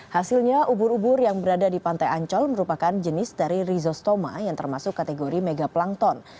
hasilnya ubur ubur yang berada di pantai ancol merupakan jenis dari rhizostoma yang termasuk kategori megaplankton